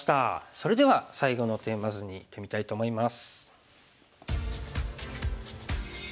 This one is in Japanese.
それでは最後のテーマ図にいってみたいと思います。